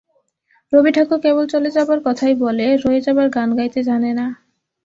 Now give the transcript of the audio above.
রবি ঠাকুর কেবল চলে যাবার কথাই বলে, রয়ে যাবার গান গাইতে জানে না।